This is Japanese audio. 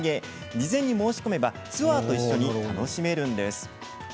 事前に申し込めばツアーと一緒に楽しめるんです。